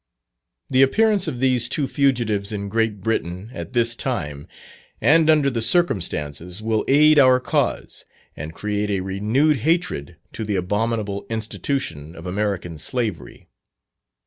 The appearance of these two fugitives in Great Britain, at this time, and under the circumstances, will aid our cause, and create a renewed hatred to the abominable institution of American slavery.